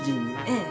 ええ。